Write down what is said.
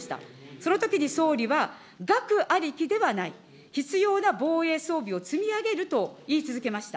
そのときに総理は、額ありきではない、必要な防衛装備を積み上げると言い続けました。